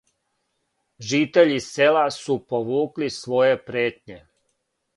Житељи села су повукли своје претње.